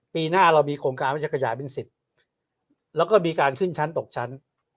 ปีหน้าเรามีโครงการว่าจะขยายเป็นสิทธิ์แล้วก็มีการขึ้นชั้นตกชั้น